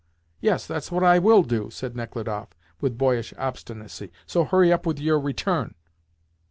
"Yes, that's what I will do," said Nechludoff with boyish obstinacy, "so hurry up with your return."